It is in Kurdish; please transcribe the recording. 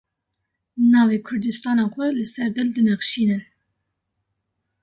Navê kurdistana xwe li ser dil dinexşînin.